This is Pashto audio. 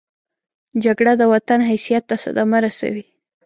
جګړه د وطن حیثیت ته صدمه رسوي